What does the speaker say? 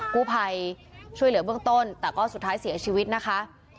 กู้ภัยช่วยเหลือเบื้องต้นแต่ก็สุดท้ายเสียชีวิตนะคะ